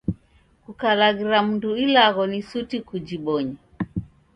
Kukalaghira mndu ilagho ni suti kujibonye.